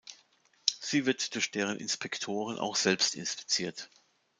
Sie wird durch deren Inspektoren auch selbst inspiziert.